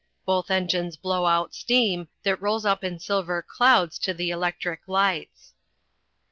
Both engines blow out steam, that rolls up in silver clouds to the electric lights.